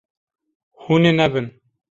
Hûn ê nebin.